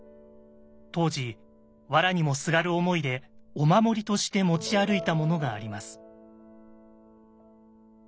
当時わらにもすがる思いでお守りとして持ち歩いたものがあります。